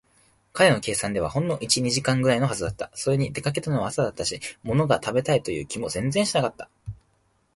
彼の計算ではほんの一、二時間ぐらいのはずだった。それに、出かけたのは朝だったし、ものが食べたいという気も全然しなかった。